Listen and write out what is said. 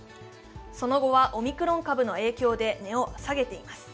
その後はオミクロン株の影響で値を下げています。